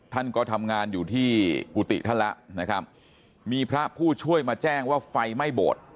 ท่านก็ทำงานอยู่ที่กุฏิท่านแล้วนะครับมีพระผู้ช่วยมาแจ้งว่าไฟไหม้โบสถ์